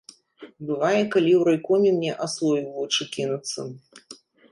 Бывае, калі ў райкоме мне асою ў вочы кінуцца.